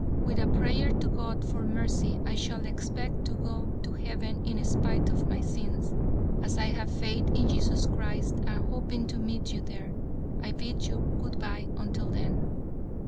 With a prayer to God for mercy, I shall expect to go to heaven in spite of my sins, as I have faith in Jesus Christ, and, hoping to meet you there, I bid you good bye until then.